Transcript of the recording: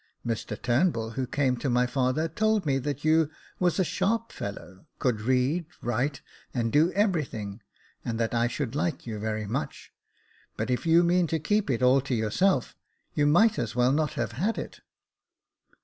Mr Turnbull, who came to my father, told me that you was a sharp fellow, could read, write, and do everything, and that I should like you very much ; but if you mean to keep it all to yourself, you might as well not have had it."